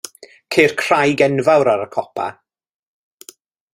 Ceir craig enfawr ar y copa.